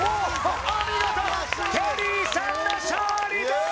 お見事テリーさんの勝利です！